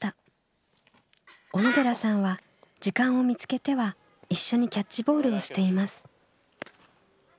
小野寺さんは時間を見つけては一緒にキャッチボールをしています。